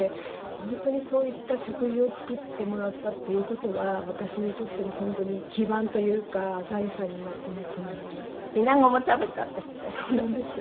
本当にそういった食事を作ってもらったっていう事は私にとっても本当に基盤というか財産になっていますね。